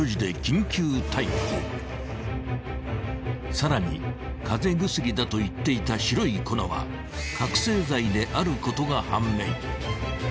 ［さらに風邪薬だと言っていた白い粉は覚醒剤であることが判明］